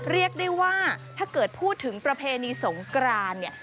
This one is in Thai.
เรียกได้ว่าถ้าเกิดพูดถึงประเพณีสงกรานเนี่ย